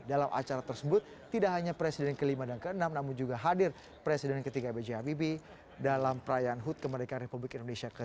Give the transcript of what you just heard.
dalam acara tersebut tidak hanya presiden ke lima dan ke enam namun juga hadir presiden ketiga b j habibie dalam perayaan hut kemerdekaan republik indonesia ke tujuh puluh